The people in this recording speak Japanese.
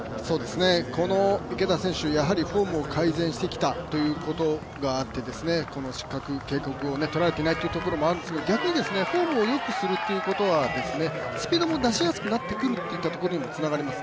この池田選手、やはりフォームを改善してきたということがあってこの警告をとられていないというところがありますが、逆にフォームをよくするということはスピードも出しやすくなってくるというところにもつながってきます。